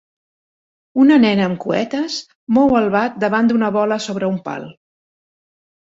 Una nena amb cuetes mou el bat davant d'una bola sobre un pal.